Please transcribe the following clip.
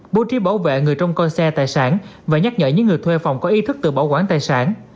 bố trí bảo vệ người trong coi xe tài sản và nhắc nhở những người thuê phòng có ý thức tự bảo quản tài sản